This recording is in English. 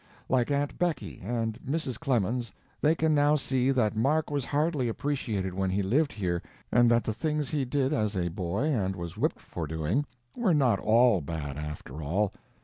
Like Aunt Becky and Mrs. Clemens, they can now see that Mark was hardly appreciated when he lived here and that the things he did as a boy and was whipped for doing were not all bad, after all.